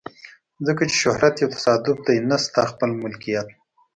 ځکه چې شهرت یو تصادف دی نه ستا خپله ملکیت.